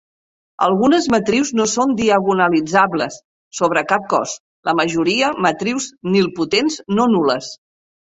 Algunes matrius no són diagonalitzables sobre cap cos, la majoria matrius nilpotents no-nul·les.